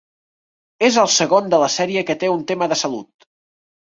És el segon de la sèrie que té un tema de salut